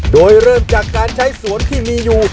โดยเริ่มจากการใช้สวนที่มีอยู่